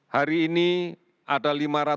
hari ini ada lima ratus empat puluh